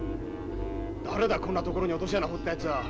誰だこんな所に落とし穴掘ったやつは。